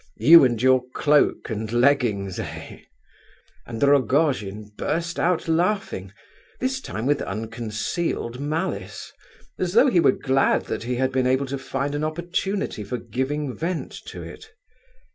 You and your cloak and leggings, eh?" And Rogojin burst out laughing, this time with unconcealed malice, as though he were glad that he had been able to find an opportunity for giving vent to it.